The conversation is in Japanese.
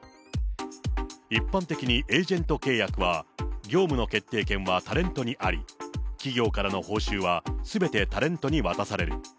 一般的にエージェント契約は、業務の決定権はタレントにあり、企業からの報酬はすべてタレントに渡される。